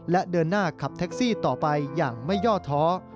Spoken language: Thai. และเดินหน้าขับแท็กซี่ต่อไปอย่างไม่ย่อท้อ